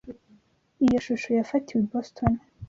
Iyo shusho yafatiwe i Boston.